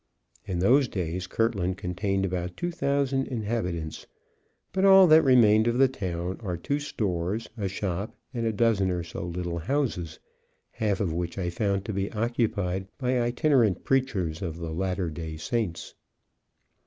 In those days Kirtland contained about 2,000 inhabitants; but all that remained of the town are two stores, a shop, and a dozen or so little houses, half of which I found to be occupied by itinerant preachers of the "Latter Day Saints."